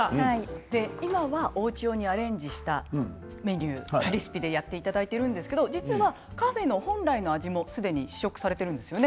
今はおうち用にアレンジしたレシピでやっていただいているんですが、実はカフェの本来の味もすでに試食されているんですよね。